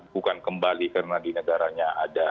bukan kembali karena di negaranya ada